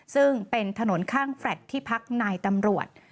ซึ่งเป็นถนนข้างแฟลต์ที่พักนายตำรวจ